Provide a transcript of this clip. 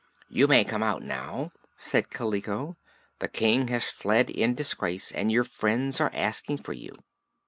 "You may come out now," said Kaliko. "The King has fled in disgrace and your friends are asking for you."